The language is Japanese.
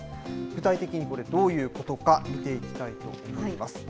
具体的にこれ、どういうことか、見ていきたいと思います。